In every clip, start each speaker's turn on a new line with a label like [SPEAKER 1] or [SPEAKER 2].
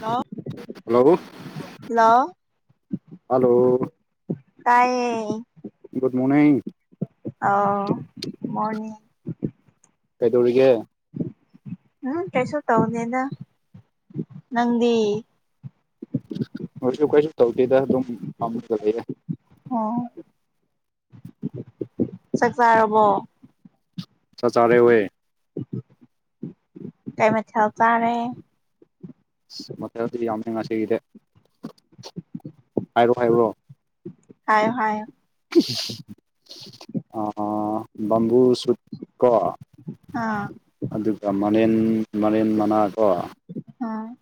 [SPEAKER 1] Hello
[SPEAKER 2] hello
[SPEAKER 1] hello
[SPEAKER 2] hello
[SPEAKER 1] ꯇꯥꯏꯌꯦ
[SPEAKER 2] good morning
[SPEAKER 1] ꯑꯥꯎ ꯃꯣꯢꯅꯤꯡ
[SPEAKER 2] ꯀꯩꯗꯧꯔꯤꯒꯦ
[SPEAKER 1] ꯎꯝ ꯀꯩꯁꯨ ꯇꯧꯗꯦꯗ ꯅꯪꯗꯤ
[SPEAKER 2] ꯅꯣꯏꯁꯨ ꯑꯩꯈꯣꯏꯁꯨ ꯇꯧꯗꯦꯗ ꯑꯗꯨꯝ ꯄꯥꯝꯖꯕ ꯂꯩ
[SPEAKER 1] ꯑꯣ ꯆꯥꯛ ꯆꯥꯔꯕꯣ
[SPEAKER 2] ꯆꯥꯛ ꯆꯥꯔꯦ ꯋꯦ
[SPEAKER 1] ꯀꯩ ꯃꯊꯦꯜ ꯆꯥꯔꯦ
[SPEAKER 2] ꯃꯊꯦꯜꯗꯤ ꯌꯥꯝꯃꯦ ꯉꯁꯤꯒꯤꯗꯤ ꯍꯥꯏꯔꯛꯑꯣ ꯍꯥꯏꯔꯣ
[SPEAKER 1] ꯍꯥꯏꯌꯣ ꯍꯥꯏꯌꯣ
[SPEAKER 2] ꯑ ꯕꯦꯝꯕꯨ ꯁꯨꯠ ꯀꯣ
[SPEAKER 1] ꯑꯥ
[SPEAKER 2] ꯑꯗꯨꯒ ꯃꯔꯦꯟ ꯃꯔꯦꯟ ꯃꯅꯥꯗꯣ
[SPEAKER 1] ꯎꯝ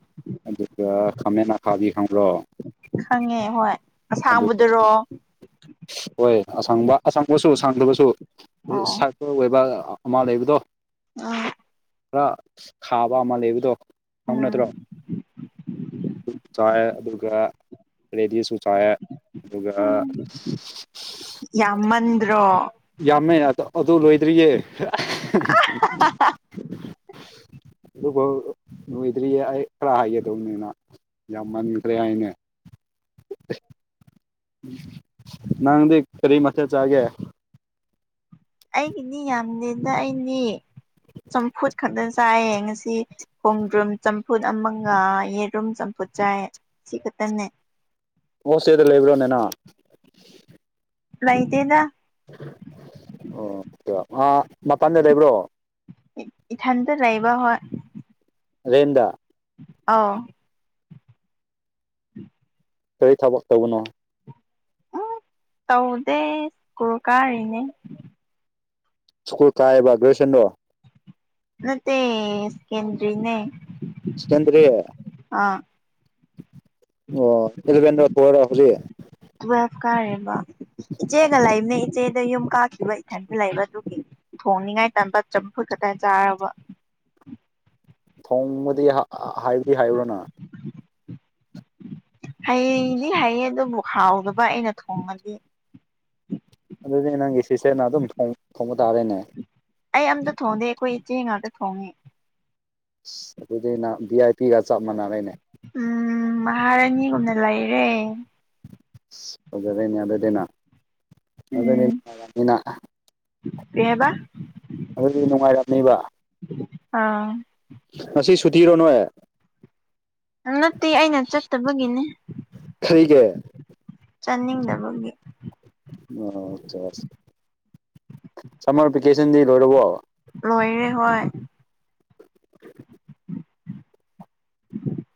[SPEAKER 2] ꯑꯗꯨꯒ ꯈꯥꯃꯦꯟ ꯑꯈꯥꯕꯤ ꯈꯪꯕ꯭ꯔꯣ
[SPEAKER 1] ꯈꯪꯉꯦ ꯍꯣꯏ
[SPEAKER 2] ꯑꯗꯨꯒ
[SPEAKER 1] ꯑꯁꯥꯡꯕꯗꯨꯔꯣ
[SPEAKER 2] ꯍꯣꯏ ꯑꯁꯪꯕ ꯑꯁꯪꯕꯁꯨ ꯁꯪꯗꯕꯁꯨ [unintelligible]
[SPEAKER 1] ꯑꯣ
[SPEAKER 2] [unintelligible] ꯑꯣꯏꯕ ꯑꯃ ꯂꯩꯕꯗꯣ
[SPEAKER 1] ꯑꯥ
[SPEAKER 2] ꯈꯔ ꯈꯥꯕ ꯑꯃ ꯂꯩꯕꯗꯣ ꯈꯪꯕ
[SPEAKER 1] ꯎꯝ
[SPEAKER 2] ꯅꯠꯇ꯭ꯔꯣ ꯑꯗꯨ ꯆꯥꯏꯌꯦ ꯑꯗꯨꯒ ꯔꯦꯗꯤꯁꯁꯨ ꯆꯥꯏꯌꯦ ꯑꯗꯨꯒ
[SPEAKER 1] ꯌꯥꯝ ꯃꯟꯗ꯭ꯔꯣ
[SPEAKER 2] ꯌꯥꯝꯃꯦ ꯑꯗꯨ ꯂꯣꯏꯗ꯭ꯔꯤꯌꯦ
[SPEAKER 1] [unintelligible]
[SPEAKER 2] [unintelligible] ꯑꯗꯨꯐꯧ ꯂꯣꯏꯗ꯭ꯔꯤꯌꯦ ꯑꯩ ꯈꯔ ꯍꯥꯏꯒꯗꯧꯅꯦꯅ ꯌꯥꯝ ꯃꯟꯈ꯭ꯔꯦ ꯍꯥꯏꯅꯦ [unintelligible] ꯅꯪꯗꯤ ꯀꯔꯤ ꯃꯊꯦꯜ ꯆꯥꯒꯦ
[SPEAKER 1] ꯑꯩꯒꯤꯗꯤ ꯌꯥꯝꯗꯦꯗ ꯑꯩꯗꯤ ꯆꯝꯐꯨꯠ ꯈꯛꯇ ꯆꯥꯏꯌꯦ ꯉꯁꯤ ꯁꯤ ꯈꯣꯡꯗ꯭ꯔꯨꯝ ꯆꯝꯐꯨꯠ ꯑꯃꯒ ꯌꯦꯔꯨꯝ ꯆꯝꯐꯨꯠ ꯆꯥꯏꯌꯦ ꯁꯤ ꯈꯛꯇꯅꯦ
[SPEAKER 2] ꯍꯣꯁꯇꯦꯜꯗ ꯂꯩꯕ꯭ꯔꯣꯅꯦ ꯅꯪ
[SPEAKER 1] ꯂꯩꯇꯦꯗ
[SPEAKER 2] ꯑꯣ ꯃꯄꯥꯟꯗ ꯂꯩꯕ꯭ꯔꯣ
[SPEAKER 1] ꯏ ꯏꯊꯟꯇ ꯂꯩꯕ ꯍꯣꯏ
[SPEAKER 2] ꯔꯦꯟꯗꯥ
[SPEAKER 1] ꯑꯧ
[SPEAKER 2] ꯀꯔꯤ ꯊꯕꯛ ꯇꯧꯕꯅꯣ
[SPEAKER 1] ꯎꯝ ꯇꯧꯗꯦ ꯁ꯭ꯀꯨꯜ ꯀꯥꯔꯤꯅꯦ
[SPEAKER 2] ꯁ꯭ꯀꯨꯜ ꯀꯥꯏꯑꯦꯕ ꯒ꯭ꯔꯦꯖꯨꯑꯦꯁꯟꯔꯣ
[SPEAKER 1] ꯅꯠꯇꯦ ꯁꯦꯀꯦꯟꯗ꯭ꯔꯤꯅꯦ
[SPEAKER 2] ꯁꯦꯀꯦꯟꯗ꯭ꯔꯤ
[SPEAKER 1] ꯑꯥ
[SPEAKER 2] ꯑꯣ ꯏꯂꯚꯦꯟꯔ ꯇꯨꯋꯦꯜꯐꯔꯣ ꯍꯧꯖꯤꯛ
[SPEAKER 1] ꯇꯨꯋꯦꯜꯐ ꯀꯥꯔꯤꯕ ꯏꯆꯦꯒ ꯂꯩꯕꯅꯦ ꯏꯆꯦꯗꯣ ꯌꯨꯝ ꯀꯥꯈꯤꯕ ꯏꯊꯟꯇ ꯂꯩꯕ ꯑꯗꯨꯒꯤ ꯊꯣꯡꯅꯤꯡꯉꯥꯏ ꯇꯟꯕ ꯆꯝꯐꯨꯠ ꯈꯛꯇ ꯆꯥꯔꯕ
[SPEAKER 2] ꯊꯣꯡꯕꯗꯤ ꯍ ꯍꯩꯗꯤ ꯍꯩꯕ꯭ꯔꯥ ꯅꯪ
[SPEAKER 1] ꯍꯩꯗꯤ ꯍꯩꯌꯦ ꯑꯗꯨꯕꯨ ꯍꯥꯎꯗꯕ ꯑꯩꯅ ꯊꯣꯡꯉꯗꯤ
[SPEAKER 2] ꯑꯗꯨꯗꯤ ꯅꯪꯒꯤ ꯆꯤꯆꯦꯅ ꯑꯗꯨꯝ ꯊꯣꯡꯕ ꯇꯥꯔꯦꯅꯦ
[SPEAKER 1] ꯑꯩ ꯑꯃꯇ ꯊꯣꯡꯗꯦ ꯈꯣꯏ ꯏꯆꯦ ꯉꯥꯛꯇ ꯊꯣꯡꯉꯦ
[SPEAKER 2] ꯑꯁ ꯑꯗꯨꯗꯤ ꯅꯪ ꯚꯤ ꯑꯥꯏ ꯄꯤꯒ ꯆꯞ ꯃꯥꯟꯅꯔꯦꯅꯦ
[SPEAKER 1] ꯎꯝ ꯃꯍꯥꯔꯥꯅꯤꯒꯨꯝꯅ ꯂꯩꯔꯦ꯫
[SPEAKER 2] ꯑꯁ ꯐꯖꯔꯦꯅꯦ ꯑꯗꯨꯗꯤ ꯅꯪ ꯑꯗꯨꯗꯤ [unintelligible]
[SPEAKER 1] ꯀꯩ ꯍꯥꯢꯕ꯫
[SPEAKER 2] ꯑꯗꯨꯗꯤ ꯅꯨꯡꯉꯥꯏꯔꯝꯅꯦꯕ꯫
[SPEAKER 1] ꯑꯥ
[SPEAKER 2] ꯉꯁꯤ ꯁꯨꯇꯤꯔꯣ ꯅꯣꯢ꯫
[SPEAKER 1] ꯅꯠꯇꯦ ꯑꯩꯅ ꯆꯠꯇꯕꯒꯤꯅꯦ
[SPEAKER 2] ꯀꯔꯤꯒꯤ
[SPEAKER 1] ꯆꯠꯅꯤꯡꯗꯕꯒꯤ꯫
[SPEAKER 2] ꯑꯣ ꯁꯝꯃꯔ ꯚꯦꯀꯦꯁꯟꯗꯤ ꯂꯣꯏꯔꯕꯣ꯫
[SPEAKER 1] ꯂꯣꯏꯔꯦ ꯍꯣꯏ꯫
[SPEAKER 2] [unintelligible]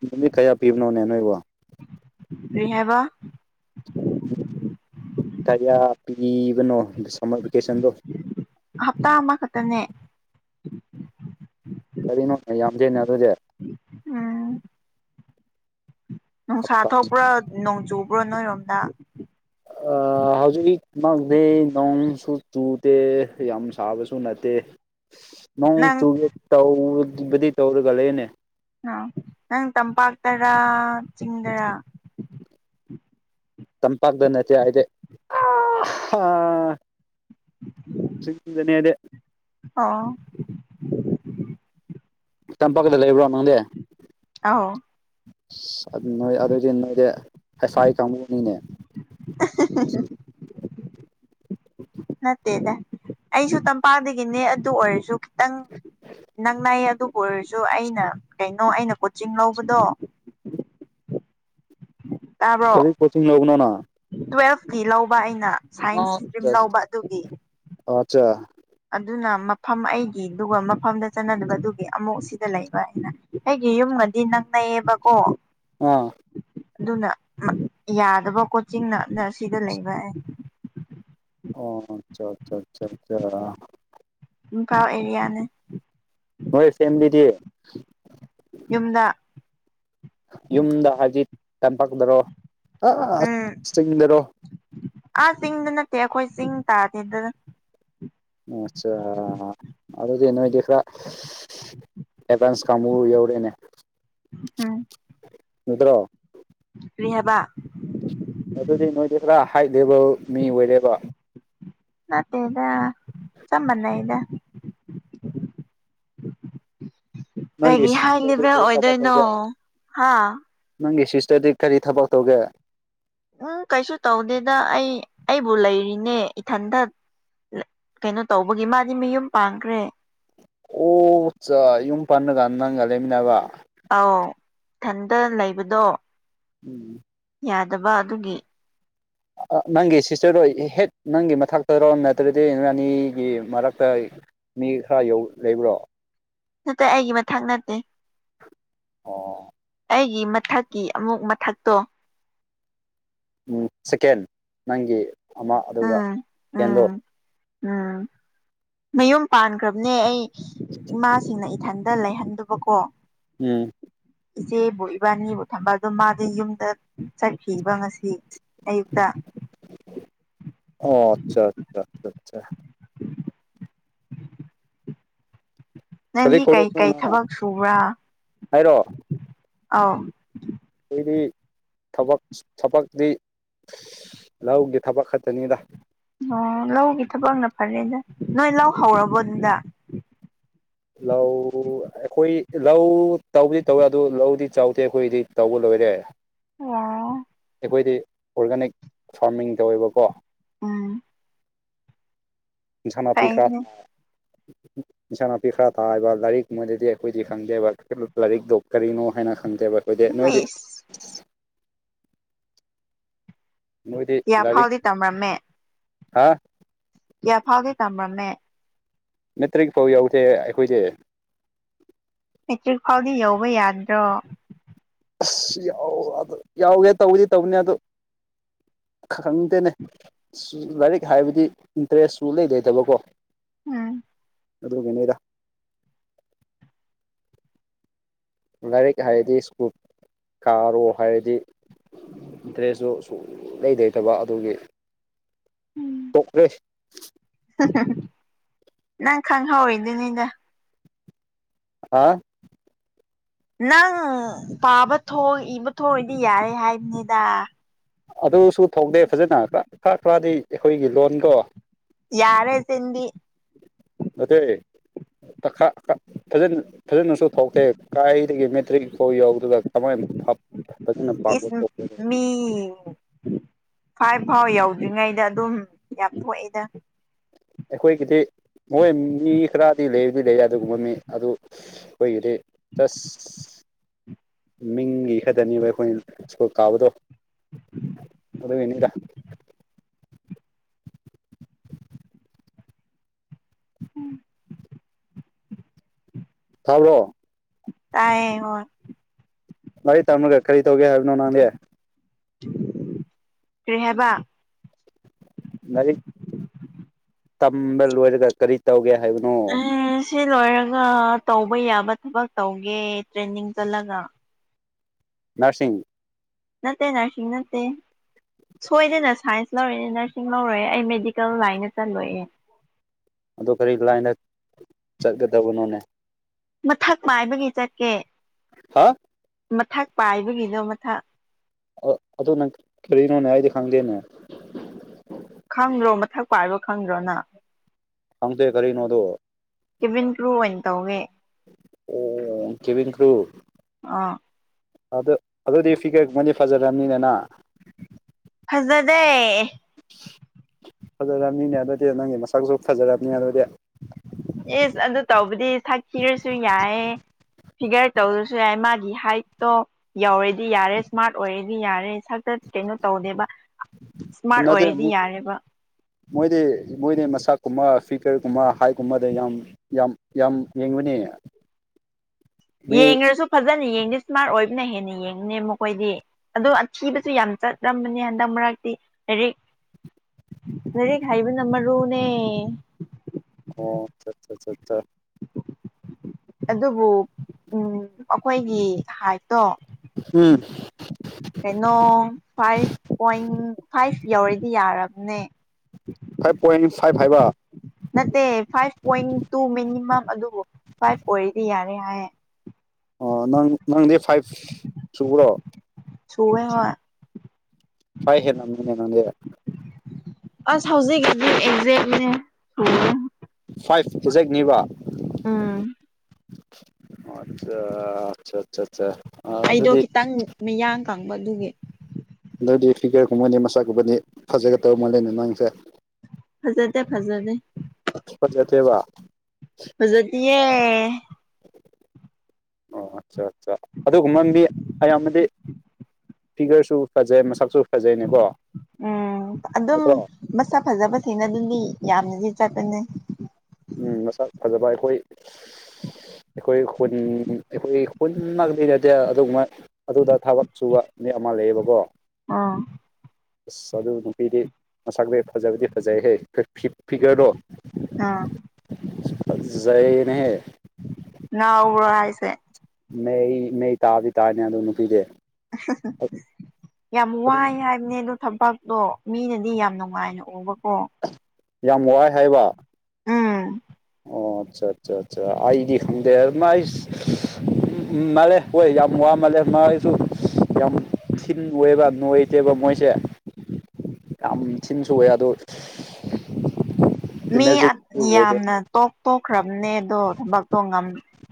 [SPEAKER 2] ꯑꯗꯨꯗꯤ ꯀꯌꯥ ꯄꯤꯕꯅꯣꯅꯦ ꯅꯣꯏꯕꯨ꯫
[SPEAKER 1] ꯀꯩ ꯍꯥꯏꯕ꯫
[SPEAKER 2] ꯎ ꯀꯔꯤꯌꯥ ꯄꯤꯕꯅꯣ ꯁꯝꯃꯔ ꯚꯦꯀꯦꯁꯟꯗꯣ꯫
[SPEAKER 1] ꯍꯞꯇꯥ ꯑꯃꯈꯛꯇꯅꯦ꯫
[SPEAKER 2] ꯀꯔꯤꯅꯣꯅꯦ ꯌꯥꯝꯗꯦꯅ ꯑꯗꯨꯗꯤ꯫
[SPEAKER 1] ꯎꯝ ꯅꯨꯡꯁꯥ
[SPEAKER 2] ꯍꯞꯇꯥ
[SPEAKER 1] ꯊꯣꯛꯄ꯭ꯔꯣ ꯅꯣꯡ ꯆꯨꯕ꯭ꯔꯣ ꯅꯣꯏꯔꯣꯝꯗ꯫
[SPEAKER 2] ꯑ ꯍꯧꯖꯤꯛꯃꯛꯗꯤ ꯅꯣꯡꯁꯨ ꯆꯨꯗꯦ ꯌꯥꯝ ꯁꯥꯕꯁꯨ ꯅꯠꯇꯦ꯫ ꯅꯣꯡ
[SPEAKER 1] ꯅꯪ
[SPEAKER 2] ꯆꯨꯒꯦ ꯇꯧꯕꯨꯗꯤ ꯇꯧꯔꯒ ꯂꯩꯌꯦꯅꯦ꯫
[SPEAKER 1] ꯑ ꯅꯪ ꯇꯝꯄꯥꯛꯇꯔꯥ ꯆꯤꯡꯗꯔꯥ?
[SPEAKER 2] ꯆꯝꯄꯥꯛꯗ ꯅꯠꯇꯦ ꯑꯩꯗꯤ ꯑ ꯍꯥ ꯆꯤꯡꯗꯅꯦ ꯑꯩꯗꯤ꯫
[SPEAKER 1] ꯑꯣ
[SPEAKER 2] ꯇꯝꯄꯥꯛꯀꯤꯗ ꯂꯩꯕ꯭ꯔꯣ ꯅꯪꯗꯤ꯫ ꯑꯁ
[SPEAKER 1] ꯑꯧ
[SPEAKER 2] ꯑꯗꯨ ꯅꯣꯏ ꯑꯗꯨꯗꯤ ꯅꯣꯏꯗꯤ ꯍꯩꯐꯥꯏ ꯀꯥꯡꯕꯨꯅꯤꯅꯦ꯫
[SPEAKER 1] [unintelligible] ꯅꯠꯇꯦꯗ ꯑꯩꯁꯨ ꯇꯝꯄꯥꯛꯗꯒꯤꯅꯦ ꯑꯗꯨ ꯑꯣꯏꯔꯁꯨ꯫ ꯅꯪ ꯅꯪꯅꯥꯏꯌꯦ ꯑꯗꯨꯕꯨ ꯑꯣꯏꯔꯁꯨ ꯑꯩꯅ ꯀꯩꯅꯣ ꯑꯩꯅ ꯀꯣꯆꯤꯡ ꯂꯧꯕꯗꯣ꯫ ꯇꯥꯕ꯭ꯔꯣ
[SPEAKER 2] ꯀꯔꯤ ꯀꯣꯆꯤꯡ ꯂꯧꯕꯅꯣꯅ꯫
[SPEAKER 1] ꯇꯨꯋꯦꯜꯐꯀꯤ ꯂꯧꯕ ꯑꯩꯅ꯫ ꯁꯥꯏꯟꯁ
[SPEAKER 2] ꯑꯣ
[SPEAKER 1] ꯏꯁꯇ꯭ꯔꯤꯝ
[SPEAKER 2] ꯆꯥꯁ
[SPEAKER 1] ꯂꯧꯕ ꯑꯗꯨꯒꯤ
[SPEAKER 2] ꯑꯆꯥ
[SPEAKER 1] ꯑꯗꯨꯅ ꯃꯐꯝ ꯑꯩꯒꯤ ꯑꯗꯨꯒ ꯃꯐꯝꯗ ꯆꯠꯅꯗꯕꯗꯨꯒꯤ ꯑꯃꯨꯛ ꯁꯤꯗ ꯂꯩꯕ ꯍꯥꯏꯅ꯫ ꯑꯩꯒꯤ ꯌꯨꯝꯒꯗꯤ ꯅꯛꯅꯩꯌꯦꯕꯀꯣ꯫
[SPEAKER 2] ꯑꯥ
[SPEAKER 1] ꯑꯗꯨꯅ ꯌꯥꯗꯕ ꯀꯣꯆꯤꯡꯅ ꯅꯔꯁꯤꯗ ꯂꯩꯕ ꯌꯥ꯫
[SPEAKER 2] ꯑꯣ ꯑꯆꯥ ꯑꯆꯥ ꯑꯆꯥ ꯑꯆꯥ꯫
[SPEAKER 1] ꯃꯨꯀꯥ ꯑꯦꯔꯤꯌꯥꯅꯦ꯫
[SPEAKER 2] ꯅꯣꯏ ꯐꯦꯃꯤꯂꯤꯗꯤ꯫
[SPEAKER 1] ꯌꯨꯝꯗ꯫
[SPEAKER 2] ꯌꯨꯝꯗ ꯍꯥꯏꯗꯤ ꯇꯝꯄꯥꯛꯛꯗꯔꯣ ꯑ
[SPEAKER 1] ꯎꯝ
[SPEAKER 2] ꯆꯤꯡꯗꯔꯣ꯫
[SPEAKER 1] ꯑꯥ ꯆꯤꯡꯗ ꯅꯠꯇꯦ ꯑꯩꯈꯣꯏ ꯆꯤꯡ ꯇꯥꯗꯦꯗ꯫
[SPEAKER 2] ꯑꯆꯥ ꯑꯗꯨꯗꯤ ꯅꯣꯏꯗꯤ ꯈꯔꯥ ꯑꯦꯐꯥꯟꯁ ꯀꯥꯡꯕꯨ ꯌꯧꯔꯦꯅꯦ꯫
[SPEAKER 1] ꯎꯝ
[SPEAKER 2] ꯅꯠꯗ꯭ꯔꯣ
[SPEAKER 1] ꯔꯤꯍꯕ
[SPEAKER 2] ꯑꯗꯨꯗꯤ ꯅꯣꯏꯗꯤ ꯈꯔ ꯍꯥꯏ ꯂꯦꯚꯦꯜ ꯃꯤ ꯑꯣꯏꯔꯦꯕ
[SPEAKER 1] ꯅꯠꯇꯦꯗ ꯆꯞ ꯃꯥꯅꯩꯗ
[SPEAKER 2] ꯅꯪꯒꯤ
[SPEAKER 1] ꯀꯩꯒꯤ ꯍꯥꯏ
[SPEAKER 2] ꯁꯤꯁꯇꯔꯗꯤ
[SPEAKER 1] ꯂꯦꯚꯦꯜ
[SPEAKER 2] ꯀꯔꯤ ꯊꯕꯛ
[SPEAKER 1] ꯑꯣꯏꯗꯣꯏꯅꯣ
[SPEAKER 2] ꯇꯧꯒꯦ
[SPEAKER 1] ꯍꯥ
[SPEAKER 2] ꯅꯪꯒꯤ ꯁꯤꯁꯇꯔꯗꯤ ꯀꯔꯤ ꯊꯕꯛ ꯇꯧꯒꯦ
[SPEAKER 1] ꯎꯝ ꯀꯩꯁꯨ ꯇꯧꯗꯦꯗ ꯑꯩ ꯑꯩꯕꯨ ꯂꯩꯔꯤꯅꯦ ꯏꯊꯟꯗ ꯀꯩꯅꯣ ꯇꯧꯕꯒꯤ ꯃꯥꯗꯤ ꯃꯌꯨꯝ ꯄꯥꯡꯈ꯭ꯔꯦ
[SPEAKER 2] ꯑꯣ ꯁꯆ ꯌꯨꯝ ꯄꯥꯟꯕ ꯀꯥꯟꯗ ꯅꯪꯒ ꯂꯩꯃꯤꯟꯅꯕ
[SPEAKER 1] ꯑꯧ ꯏꯊꯟꯇ ꯂꯩꯕꯗꯣ
[SPEAKER 2] ꯎꯝ
[SPEAKER 1] ꯌꯥꯗꯕ ꯑꯗꯨꯒꯤ
[SPEAKER 2] ꯅꯪꯒꯤ ꯁꯤꯁꯇꯔꯗꯣ ꯍꯦꯛ ꯅꯪꯒꯤ ꯃꯊꯛꯇ ꯔꯣ ꯅꯠꯇ꯭ꯔꯗꯤ ꯑꯅꯤꯒꯤ ꯃꯔꯛꯇ ꯃꯤ ꯈꯔ ꯌꯧ ꯂꯩꯕ꯭ꯔꯣ
[SPEAKER 1] ꯅꯠꯇꯦ ꯑꯩꯒꯤ ꯃꯊꯛ ꯅꯠꯇꯦ
[SPEAKER 2] ꯑꯣ
[SPEAKER 1] ꯑꯩꯒꯤ ꯃꯊꯛꯀꯤ ꯑꯃꯨꯛ ꯃꯊꯛꯇꯣ
[SPEAKER 2] ꯁꯤꯀꯦꯟ ꯅꯪꯒꯤ ꯑꯃ ꯑꯗꯨꯒ
[SPEAKER 1] ꯎꯝ ꯎꯝ
[SPEAKER 2] ꯁꯦꯀꯦꯟꯗꯣ
[SPEAKER 1] ꯎꯝ ꯃꯌꯨꯝ ꯄꯥꯟꯈ꯭ꯔꯕꯅꯦ ꯑꯩ ꯏꯃꯥꯁꯤꯡꯅ ꯏꯊꯟꯗ ꯂꯩꯍꯟꯗꯕꯀꯣ
[SPEAKER 2] ꯎꯝ
[SPEAKER 1] ꯏꯆꯦꯕꯨ ꯏꯕꯥꯅꯤꯕꯨ ꯊꯝꯕ ꯑꯗꯨꯝ ꯃꯥꯗꯤ ꯌꯨꯝꯗ ꯆꯠꯈꯤꯕ ꯉꯁꯤ ꯑꯩꯌꯨꯛꯇ
[SPEAKER 2] ꯑꯣ ꯑꯆꯥ ꯑꯆꯥ ꯑ ꯀꯔꯤ
[SPEAKER 1] ꯅꯪꯗꯤ
[SPEAKER 2] ꯀꯣꯂꯦꯖꯅꯣ
[SPEAKER 1] ꯀꯩꯀꯩ
[SPEAKER 2] ꯅꯪꯅ
[SPEAKER 1] ꯊꯕꯛ ꯁꯨꯕ꯭ꯔꯥ
[SPEAKER 2] ꯍꯥꯏꯔꯣ
[SPEAKER 1] ꯑꯧ
[SPEAKER 2] ꯑꯩꯗꯤ ꯊꯕꯛ ꯊꯕꯛꯇꯤ ꯂꯧꯒꯤ ꯊꯕꯛ ꯈꯛꯇꯅꯤꯗ
[SPEAKER 1] ꯑꯣ ꯂꯧꯒꯤ ꯊꯕꯛꯅ ꯐꯔꯦꯗ ꯅꯣꯏ ꯂꯧ ꯍꯧꯔꯕꯣꯗꯨꯗ
[SPEAKER 2] ꯂꯧ ꯑꯈꯣꯏ ꯂꯧ ꯇꯧꯕꯗꯤ ꯇꯧꯋꯦ ꯑꯗꯨ ꯂꯧꯗꯤ ꯆꯥꯎꯗꯦ ꯑꯩꯈꯣꯏꯗꯤ ꯇꯧꯕ ꯂꯣꯏꯔꯦ
[SPEAKER 1] ꯌꯥ
[SPEAKER 2] ꯑꯈꯣꯏꯗꯤ ꯑꯣꯔꯒꯥꯅꯤꯛ ꯐꯥꯔꯃꯤꯡ ꯇꯧꯋꯦꯕꯀꯣ
[SPEAKER 1] ꯎꯝ
[SPEAKER 2] ꯏꯟꯁꯥꯡ ꯅꯥꯄꯤ ꯈꯔꯥ
[SPEAKER 1] ꯐꯩꯅꯦ
[SPEAKER 2] ꯊꯥ ꯏꯟꯁꯥꯡ ꯅꯥꯄꯤ ꯈꯔ ꯊꯥꯕ ꯂꯥꯏꯔꯤꯃꯥꯗꯗꯤ ꯑꯩꯈꯣꯏꯗꯤ ꯈꯪꯗꯦꯕ ꯂꯥꯏꯔꯤꯛꯇꯣ ꯀꯔꯤꯅꯣ ꯍꯥꯏꯅ ꯈꯪꯗꯦꯕ ꯑꯣꯏꯗꯦ ꯅꯣꯏꯗꯤ
[SPEAKER 1] ꯏꯁ
[SPEAKER 2] ꯃꯣꯏꯗꯤ
[SPEAKER 1] ꯀꯌꯥ
[SPEAKER 2] ꯂꯥꯏꯔꯤꯛ
[SPEAKER 1] ꯐꯥꯎꯗꯤ ꯇꯝꯔꯝꯃꯦ
[SPEAKER 2] ꯍꯥ
[SPEAKER 1] ꯀꯌꯥ ꯐꯥꯎꯗꯤ ꯇꯝꯔꯝꯃꯦ
[SPEAKER 2] ꯃꯦꯇ꯭ꯔꯤꯛ ꯐꯥꯎ ꯌꯧꯗꯦ ꯑꯩꯈꯣꯏꯗꯤ
[SPEAKER 1] ꯃꯦꯇ꯭ꯔꯤꯛ ꯐꯥꯎꯗꯤ ꯌꯧꯕ ꯌꯥꯗ꯭ꯔꯣ
[SPEAKER 2] ꯑꯁ ꯌꯥꯎ ꯑꯗ ꯌꯥꯎꯒꯦ ꯇꯧꯗꯤ ꯇꯧꯕꯅꯦ ꯑꯗꯨ ꯈꯪꯗꯦꯅꯦ ꯂꯥꯏꯔꯤꯛ ꯍꯥꯏꯕꯗꯤ ꯏꯟꯇ꯭ꯔꯦꯁꯁꯨ ꯂꯩ ꯂꯩꯇꯕꯀꯣ
[SPEAKER 1] ꯎꯝ
[SPEAKER 2] ꯑꯗꯨꯒꯤꯅꯤꯗ ꯂꯥꯏꯔꯤꯛ ꯍꯥꯏꯔꯗꯤ ꯁ꯭ꯀꯨꯜ ꯀꯥꯔꯣ ꯍꯥꯏꯔꯗꯤ ꯏꯟꯇ꯭ꯔꯦꯁꯇꯨ ꯁꯨ ꯂꯩ ꯂꯩꯇꯕ ꯑꯗꯨꯒꯤ ꯇꯣꯛꯈ꯭ꯔꯦ
[SPEAKER 1] [unintelligible] ꯅꯪ ꯈꯪꯍꯧꯏꯗꯨꯅꯤꯗ꯫
[SPEAKER 2] ꯍꯥ꯫
[SPEAKER 1] ꯅꯪ ꯄꯥꯕ ꯊꯣꯛ ꯏꯕ ꯊꯣꯛꯑꯗꯤ ꯌꯥꯏ ꯍꯥꯏꯕꯅꯤꯗꯥ꯫
[SPEAKER 2] ꯑꯗꯨꯁꯨ ꯊꯧꯗꯦ ꯐꯖꯅ ꯈ ꯈ꯭ꯔ ꯈꯔꯗꯤ ꯑꯩꯈꯣꯏꯒꯤ ꯂꯣꯟꯀꫭ꯫
[SPEAKER 1] ꯌꯥꯔꯦ ꯆꯤꯟꯗꯤ꯫
[SPEAKER 2] ꯅꯠꯇꯦ꯫ ꯇ ꯈꯥ ꯈꯥꯥ ꯐꯖꯟ ꯐꯖꯅꯁꯨ ꯊꫭꯛꯇꯦ ꯀꯥꯏꯗꯒꯤ ꯃꯦꯇ꯭ꯔꯤꯛꯐꯥꯎ ꯌꯥꯎꯗ꯭ꯔꯒ꯫ ꯀꯃꫭꯏ ꯐ ꯐꯖꯅ ꯄꯥꯛꯕ
[SPEAKER 1] ꯏꯁ
[SPEAKER 2] [inaudible]
[SPEAKER 1] ꯃꯤ ꯐꯥꯏꯚ ꯐꯥꯎ ꯌꯧꯗ꯭ꯔꯤꯉꯩꯗ ꯑꯗꯨꯝ ꯌꯥꯝ ꯊꯣꯛꯑꯦꯗ꯫
[SPEAKER 2] ꯑꯩꯈꯣꯏꯒꯤꯗꯤ ꯃꯣꯏ ꯃꯤ ꯈꯔꯗꯤ ꯂꯩꯕꯗꯤ ꯂꯩꯌꯦ ꯑꯗꯨꯒꯨꯝꯕ ꯃꯤ ꯑꯗꯨ ꯑꯈꯣꯏꯒꯤꯗꯤ ꯆꯁ꯫ ꯃꯤꯡꯒꯤ ꯈꯛꯇꯅꯤꯕ ꯑꯩꯈꯣꯏꯅ ꯁ꯭ꯀꯨꯜ ꯀꯥꯕꯗꯣ꯫ ꯑꯗꯨꯒꯤꯅꯤꯗ꯫
[SPEAKER 1] [unintelligible]
[SPEAKER 2] ꯊꯥꯕ꯭ꯔꯣ꯫
[SPEAKER 1] ꯇꯥꯏꯌꯦ ꯍꯣꯏ꯫
[SPEAKER 2] ꯂꯥꯏꯔꯤꯛ ꯇꯝꯔꯒ ꯀꯔꯤ ꯇꯧꯒꯦ ꯍꯥꯏꯕꯅꯣ ꯅꯪꯗꯤ꯫
[SPEAKER 1] ꯀ꯭ꯔꯤ ꯍꯥꯏꯕ꯫
[SPEAKER 2] ꯂꯥꯏꯔꯤꯛ꯫ ꯇꯝꯕ ꯂꯣꯏꯔꯒ ꯀꯔꯤ ꯇꯧꯒꯦ ꯍꯥꯏꯕꯅꯣ꯫
[SPEAKER 1] ꯑꯦ ꯁꯤ ꯂꯣꯏꯔꯒ ꯇꯧꯕ ꯌꯥꯕ ꯊꯕꯛ ꯇꯧꯒꯦ ꯇ꯭ꯔꯦꯅꯤꯡ ꯆꯠꯂꯒ꯫
[SPEAKER 2] ꯅꯥꯔꯁꯤꯡ꯫
[SPEAKER 1] ꯅꯠꯇꯦ ꯅꯔꯁꯤꯡ ꯅꯠꯇꯦ꯫ ꯁꯣꯏꯗꯅ ꯁꯥꯏꯟꯁ ꯂꯧꯔꯤꯅꯦ ꯅꯔꯁꯤꯡ ꯂꯧꯔꫭꯏꯑꯦ ꯑꯩ ꯃꯦꯗꯤꯀꯦꯜ ꯂꯥꯏꯟꯗ ꯆꯠꯂꯣꯏꯑꯦ꯫
[SPEAKER 2] ꯑꯗꯣ ꯀꯔꯤ ꯂꯥꯏꯟꯗ ꯆꯠꯀꯗꯕꯅꯣꯅꯦ꯫
[SPEAKER 1] ꯃꯊꯛ ꯃꯥꯏꯕꯒꯤ ꯆꯠꯀꯦ꯫
[SPEAKER 2] ꯍꯥ꯫
[SPEAKER 1] ꯃꯊꯥꯛ ꯄꯥꯏꯕꯒꯤꯗꯣ ꯃꯊꯛ꯫
[SPEAKER 2] ꯑ ꯑꯗꯨꯅ ꯀꯔꯤꯅꯣꯅꯦ ꯑꯩꯗꯤ ꯈꯪꯗꯦꯅꯦ꯫
[SPEAKER 1] ꯈꯪꯗ꯭ꯔꯣ ꯃꯊꯛ ꯄꯥꯏꯕ ꯈꯪꯗ꯭ꯔꯣ ꯅꯪ꯫
[SPEAKER 2] ꯈꯪꯗꯦ ꯀꯔꯤꯅꯣ ꯑꯗꯨ꯫
[SPEAKER 1] ꯀꯤꯚꯤꯟ ꯀ꯭ꯔꯨ ꯑꯣꯏꯅ ꯇꯧꯒꯦ꯫
[SPEAKER 2] ꯑꯣ ꯀꯦꯕꯤꯟ ꯀ꯭ꯔꯨ꯫
[SPEAKER 1] ꯑꯥ꯫
[SPEAKER 2] ꯑꯗꯨ ꯑꯗꯨꯗꯤ ꯐꯤꯒꯔꯒꯨꯝꯕꯗꯤ ꯐꯖꯔꯝꯅꯤꯗ ꯅ꯫
[SPEAKER 1] ꯐꯖꯗꯦ꯫
[SPEAKER 2] ꯐꯖꯔꯝꯅꯤꯅꯦ ꯑꯗꯨꯗꯤ ꯅꯪꯒꯤ ꯃꯁꯛꯁꯨ ꯐꯖꯔꯝꯅꯤ ꯑꯗꯨꯗꯤ꯫
[SPEAKER 1] ꯑꯦꯁ ꯑꯗꯨ ꯇꯧꯕꯗꯤ ꯁꯛ ꯊꯤꯔꯁꯨ ꯌꯥꯏ꯫ ꯐꯤꯒꯔ ꯇꯧꯔꯁꯨ ꯌꯥꯏ ꯃꯥꯒꯤ ꯍꯥꯏꯠꯇꯣ꯫ ꯌꯧꯔꯗꯤ ꯌꯥꯔꯦ ꯁ꯭ꯃꯥꯔꯠ ꯑꯣꯏꯔꯦꯗꯤ ꯌꯥꯔꯦ ꯁꯛꯇ ꯀꯩꯅꯣ ꯇꯧꯗꯦꯕ꯫ ꯑ ꯁ꯭ꯃꯥꯔꯠ
[SPEAKER 2] ꯅꯠꯇꯦ
[SPEAKER 1] ꯑꯣꯏꯔꯗꯤ ꯌꯥꯔꯦꯕ꯫
[SPEAKER 2] ꯃꯣꯏꯗꯤ ꯃꯣꯏꯗꯤ ꯃꯁꯛꯀꯨꯝꯕ ꯐꯤꯀꯔꯒꯨꯝꯕ ꯍꯥꯏꯀꯨꯝꯕꯗ ꯌꯥꯝ ꯌꯥꯝ ꯌꯥꯝ ꯌꯦꯡꯕꯅꯦ꯫ ꯃꯤ
[SPEAKER 1] ꯌꯦꯡꯔꯁꯨ ꯐꯖꯅ ꯌꯦꯡꯗꯦ ꯁ꯭ꯃꯥꯔꯠ ꯑꯣꯏꯕꯅ ꯍꯦꯟꯅ ꯌꯦꯡꯕꯅꯦ ꯃꯈꯣꯏꯗꯤ꯫ ꯑꯗꯣ ꯑꯊꯤꯕꯁꯨ ꯌꯥꯝ ꯆꯠꯂꯝꯕꯅꯦ ꯍꯟꯗꯛ ꯃꯔꯛꯇꯤ ꯂꯩꯔꯤꯛ ꯂꯥꯏꯔꯤꯛ ꯍꯩꯕꯅ ꯃꯥꯔꯨꯅꯦ
[SPEAKER 2] ꯑꯣ ꯆꯥ ꯆꯥ ꯆꯥ
[SPEAKER 1] ꯑꯗꯨꯕꯨ ꯎꯝ ꯑꯈꯣꯏꯒꯤ ꯍꯥꯏꯠꯇꯣ
[SPEAKER 2] ꯎꯝ
[SPEAKER 1] ꯀꯩꯅꯣ ꯐꯥꯏꯚ ꯄꯣꯏꯟ ꯐꯥꯏꯚ ꯌꯧꯔꯗꯤ ꯌꯥꯔꯕꯅꯦ
[SPEAKER 2] ꯐꯥꯏꯚ ꯄꯣꯏꯟ ꯐꯥꯏꯚ ꯍꯥꯏꯕ
[SPEAKER 1] ꯅꯠꯇꯦ ꯐꯥꯏꯚ ꯄꯣꯏꯟ ꯇꯨ ꯃꯤꯅꯤꯃꯝ ꯑꯗꯨꯕꯨ ꯐꯥꯏꯚ ꯑꯣꯏꯔꯗꯤ ꯌꯥꯔꯦ ꯍꯥꯏ
[SPEAKER 2] ꯑꯣ ꯅꯪ ꯅꯪꯗꯤ ꯐꯥꯏꯚ ꯁꯨꯕ꯭ꯔꯣ
[SPEAKER 1] ꯁꯨꯋꯦ ꯍꯣꯏ
[SPEAKER 2] [unintelligible]
[SPEAKER 1] ꯑꯁ ꯍꯧꯖꯤꯛꯒꯗꯤ ꯑꯦꯛꯖꯦꯛꯅꯦ
[SPEAKER 2] ꯐꯥꯏꯚ ꯑꯦꯖꯦꯛꯅꯤꯕ
[SPEAKER 1] ꯎꯝ
[SPEAKER 2] ꯑꯣ ꯆꯥ ꯆꯥ ꯆꯥ ꯆꯥ
[SPEAKER 1] ꯑꯩꯗꯣ ꯈꯤꯇꯪ ꯃꯤꯌꯥꯡ ꯀꯪꯕ ꯑꯗꯨꯒꯤ
[SPEAKER 2] ꯑꯗꯨꯗꯤ ꯐꯤꯒꯔ ꯀꯨꯝꯕꯗꯤ ꯃꯁꯥꯛꯒꯨꯝꯕꯗꯤ ꯐꯖꯒꯗꯧ ꯃꯜꯂꯦꯅꯦ ꯅꯪꯁꯦ
[SPEAKER 1] ꯐꯖꯗꯦ ꯐꯖꯗꯦ
[SPEAKER 2] ꯐꯖꯗꯦꯕ
[SPEAKER 1] ꯐꯖꯗꯤꯌꯦ
[SPEAKER 2] ꯑꯣ ꯑꯠꯆꯥ ꯑꯠꯆꯥ ꯑꯗꯨꯒꯨꯝꯕ ꯃꯤ ꯑꯌꯥꯝꯕꯗꯤ ꯐꯤꯒꯔꯁꯨ ꯐꯖꯩ ꯃꯁꯛꯁꯨ ꯐꯖꯩꯅꯦꯀꯣ
[SPEAKER 1] ꯎꯝ ꯑꯗꯨꯝ
[SPEAKER 2] ꯑꯗꯣ
[SPEAKER 1] ꯃꯁꯛ ꯐꯖꯕꯁꯤꯡꯅ ꯑꯗꯨꯗꯤ ꯌꯥꯝꯅꯗꯤ ꯆꯠꯄꯅꯦ
[SPEAKER 2] ꯎꯝ ꯃꯁꯛ ꯐꯖꯕ ꯑꯩꯈꯣꯏ ꯑꯩꯈꯣꯏ ꯈꯨꯟ ꯑꯩꯈꯣꯏ ꯈꯨꯟꯃꯛꯇꯤ ꯅꯠꯇꯦ ꯑꯗꯨꯒꯨꯝꯕ ꯑꯗꯨꯗ ꯊꯕꯛ ꯁꯨꯕ ꯃꯤ ꯑꯃ ꯂꯩꯌꯦꯕꯀꯣ
[SPEAKER 1] ꯑꯥ
[SPEAKER 2] [inaudible] ꯑꯁ ꯑꯗꯨ ꯅꯨꯄꯤꯗꯤ ꯃꯁꯛꯇꯤ ꯐꯖꯕꯗꯤ ꯐꯖꯩꯍꯦ ꯐꯤ ꯐꯤ ꯐꯤꯒꯔꯗꯣ
[SPEAKER 1] ꯑꯥ
[SPEAKER 2] ꯑꯁ ꯐꯖꯩꯅꯦꯍꯦ
[SPEAKER 1] ꯉꯥꯎꯕ꯭ꯔꯣ ꯍꯥꯏꯁꯦ
[SPEAKER 2] ꯅꯩ ꯅꯩꯇꯕꯤ ꯇꯥꯕꯤ ꯇꯥꯅꯤ ꯑꯗꯨ ꯅꯨꯄꯤꯗꯤ
[SPEAKER 1] ꯑꯍ ꯍ ꯌꯥꯝ
[SPEAKER 2] ꯑꯗꯨ
[SPEAKER 1] ꯋꯥꯏ ꯍꯥꯏ ꯏꯅꯦꯗꯣ ꯊꯕꯛꯇꯣ ꯃꯤꯅꯗꯤ ꯌꯥꯝ ꯅꯨꯡꯉꯥꯏꯅ ꯎꯕꯀꯣ
[SPEAKER 2] ꯌꯥꯝ ꯋꯥꯏ ꯍꯥꯏꯕ
[SPEAKER 1] ꯎꯝ
[SPEAKER 2] ꯑꯣ ꯑꯠꯆꯥ ꯆꯥ ꯆꯥ ꯑꯗꯤ ꯈꯪꯗꯦ ꯑꯗꯨꯃꯥꯥꯏꯁ ꯃꯥꯜꯂꯦ ꯍꯣꯏ ꯌꯥꯝ ꯋꯥꯃꯜꯂꯦ ꯃꯥꯏꯁꯨ ꯌꯥꯝ ꯊꯤꯟ ꯑꯣꯏꯕ ꯅꯣꯏꯗꯦꯕ ꯃꯣꯏꯁꯦ ꯌꯥꯝ ꯊꯤꯟꯁꯨꯑꯣꯏ ꯑꯗꯣ
[SPEAKER 1] ꯃꯤ
[SPEAKER 2] ꯏꯅꯔꯖꯦꯇꯤꯛꯁꯨ ꯑꯣꯏꯗꯦ
[SPEAKER 1] ꯌꯥꯝꯅ ꯇꯣꯛ ꯇꯣꯛꯈ꯭ꯔꯕꯅꯦ ꯑꯗꯣ ꯊꯕꯛꯇꯣ ꯉꯥꯝ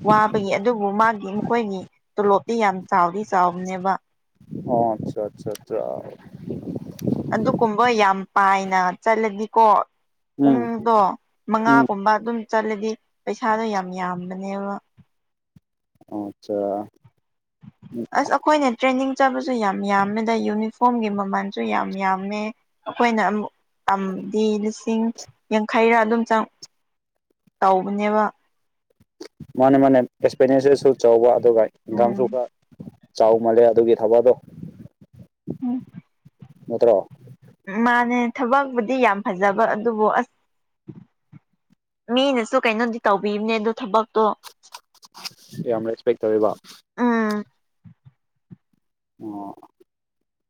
[SPEAKER 1] ꯋꯥꯕꯒꯤ ꯑꯗꯨꯕꯨ ꯃꯥꯒꯤ ꯃꯈꯣꯏꯒꯤ ꯇꯣꯂꯣꯞꯇꯤ ꯌꯥꯝ ꯆꯥꯎꯗꯤ ꯆꯥꯎꯕꯅꯦꯕ
[SPEAKER 2] ꯑꯣ ꯑꯠꯆꯥ ꯆꯥ ꯆꯥ
[SPEAKER 1] ꯑꯗꯨꯒꯨꯝꯕ ꯌꯥꯝ ꯄꯥꯏꯅ ꯆꯠꯂꯗꯤꯀꯣ
[SPEAKER 2] ꯎꯝ
[SPEAKER 1] ꯄꯨꯡꯗꯣ
[SPEAKER 2] ꯎꯝ
[SPEAKER 1] ꯃꯉꯥꯒꯨꯝꯕ ꯑꯗꯨꯝ ꯆꯠꯂꯗꯤ ꯄꯩꯁꯥꯗꯣ ꯌꯥꯝ ꯌꯥꯝꯕꯅꯦꯕ
[SPEAKER 2] ꯑꯆꯥ
[SPEAKER 1] ꯑꯁ ꯑꯩꯈꯣꯏꯅ ꯇ꯭ꯔꯦꯟꯅꯤꯡ ꯆꯠꯄꯁꯨ ꯌꯥꯝ ꯌꯥꯝꯃꯦꯗ ꯌꯨꯅꯤꯐꯣꯔꯝꯒꯤ ꯃꯃꯜꯁꯨ ꯌꯥꯝ ꯌꯥꯝꯃꯦ ꯑꯩꯈꯣꯏꯅ ꯑꯃꯨꯛ ꯇꯝꯗꯤ ꯂꯤꯁꯤꯡ ꯌꯥꯡꯈꯩꯔꯥ ꯑꯗꯨꯝ ꯆꯪ ꯇꯧꯕꯅꯦꯕ
[SPEAKER 2] ꯃꯥꯅ‌ꯦ ꯃꯥꯅ‌ꯦ ꯑꯦꯛꯁꯄꯦꯟꯗꯤꯆꯔꯁꯨ ꯆꯥꯎꯕ ꯑꯗꯨꯒ
[SPEAKER 1] ꯎꯝ
[SPEAKER 2] [unintelligible] ꯆꯥꯎ ꯃꯥꯜꯂꯦ ꯑꯗꯨꯒꯤ ꯊꯕꯛ ꯑꯗ‌ꯣ ꯅꯠꯇ꯭ꯔꯣ
[SPEAKER 1] ꯃꯥꯟꯅꯦ ꯊꯕꯛꯄꯨꯗꯤ ꯌꯥꯝ ꯐꯖꯕ ꯑꯗꯨꯕꯨ ꯑꯁ ꯃꯤꯅꯁꯨ ꯀꯩꯅꯣꯗꯤ ꯇꯧꯕꯤꯕꯅꯦ ꯑꯗꯣ ꯊꯕꯛꯇꯣ
[SPEAKER 2] ꯌꯥꯝ ꯔꯦꯁꯄꯦꯛ ꯇꯧꯋꯦꯕ
[SPEAKER 1] ꯎꯝ
[SPEAKER 2] ꯑꯣ [inaudible]